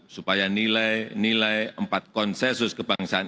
supaya nilai nilai empat konsensus kebangsaan